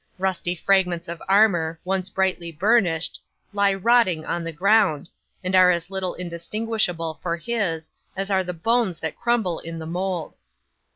Rusty fragments of armour, once brightly burnished, lie rotting on the ground, and are as little distinguishable for his, as are the bones that crumble in the mould!"